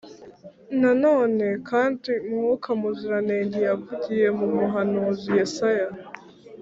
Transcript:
na none kandi mwuka muziranenge yavugiye mu muhanuzi yesaya